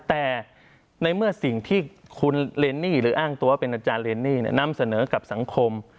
แต่ในเมื่อสิ่งที่คุณเรนนี่หรืออ้างตัวเป็นอาจารย์เรนนี่นำเสนอกับสังคม